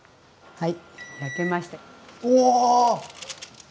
はい。